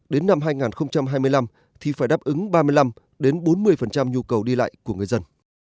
đến năm hai nghìn hai mươi năm thì phải đáp ứng ba mươi năm bốn mươi nhu cầu đi lại của người dân